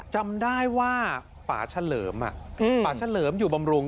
จำได้ว่าป่าเฉลิมป่าเฉลิมอยู่บำรุง